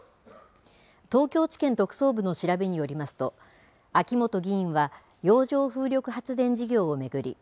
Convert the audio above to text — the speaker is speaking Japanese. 東京地検特捜部の調べによりますと秋本議員は洋上風力発電事業を巡り